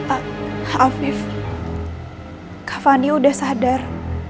a afif kak fandi udah sadar